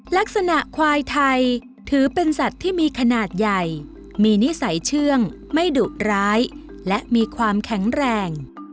ลักษณะควายไทยถือเป็นสัตว์ที่มีขนาดใหญ่มีนิสัยเชื่องไม่ดุร้ายและมีความแข็งแรง